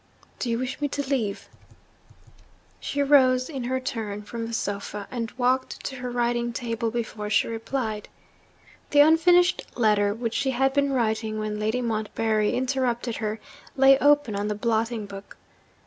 'Do you wish me to leave you?' She rose, in her turn, from the sofa, and walked to her writing table before she replied. The unfinished letter which she had been writing when Lady Montbarry interrupted her, lay open on the blotting book.